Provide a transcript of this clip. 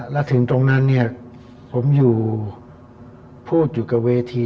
แล้วถึงตรงนั้นผมพูดอยู่กับเวที